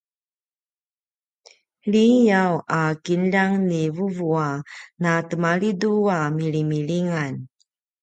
liyaw a kinljang ni vuvu a na temalidu a milimilingan